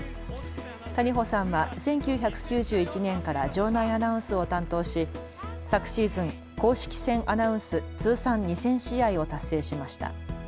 谷保さんは１９９１年から場内アナウンスを担当し昨シーズン、公式戦アナウンス通算２０００試合を達成しました。